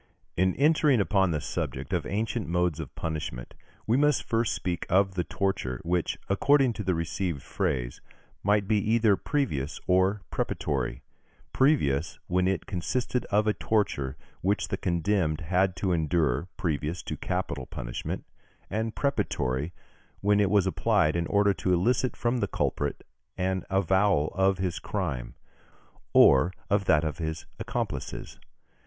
In entering upon the subject of ancient modes of punishment, we must first speak of the torture, which, according to the received phrase, might be either previous or preparatory: previous, when it consisted of a torture which the condemned had to endure previous to capital punishment; and preparatory, when it was applied in order to elicit from the culprit an avowal of his crime, or of that of his accomplices.